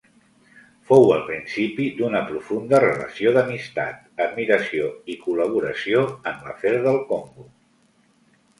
Fou el principi d'una profunda relació d'amistat, admiració i col·laboració en l'afer del Congo.